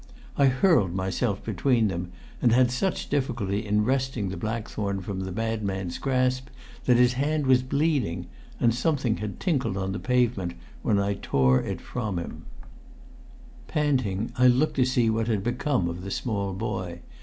I hurled myself between them, and had such difficulty in wresting the blackthorn from the madman's grasp that his hand was bleeding, and something had tinkled on the pavement, when I tore it from him. [Illustration: A heavy blackthorn held in murderous poise.] Panting, I looked to see what had become of the small boy.